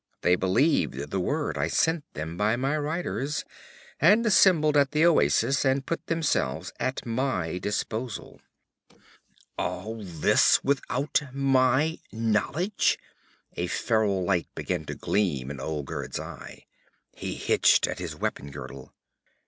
They believed the word I sent them by my riders, and assembled at the oasis and put themselves at my disposal.' 'All this without my knowledge?' A feral light began to gleam in Olgerd's eye. He hitched at his weapon girdle.